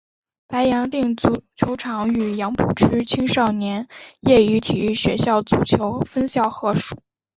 白洋淀足球场与杨浦区青少年业余体育学校足球分校合署。